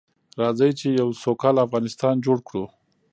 راځئ چې يو سوکاله افغانستان جوړ کړو.